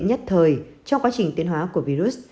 nhất thời trong quá trình tiến hóa của virus